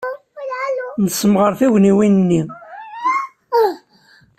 Nessemɣer tugniwin-nni.